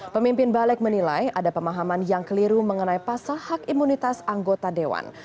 pemimpin balik menilai ada pemahaman yang keliru mengenai pasal hak imunitas anggota dewan